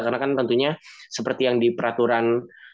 karena kan tentunya seperti yang di peraturan